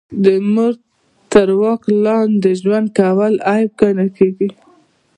د مور تر واک لاندې ژوند کول عیب ګڼل کیږي